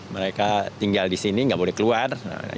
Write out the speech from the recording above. mereka tinggal di sini nggak boleh keluar